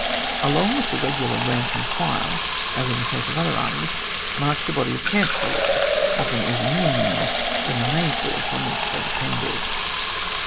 Along with the regular rank and file, as in the case of other armies, marched a body of camp followers, often even more numerous than the main force on which they depended.